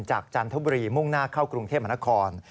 จันทบุรีมุ่งหน้าเข้ากรุงเทพมนคร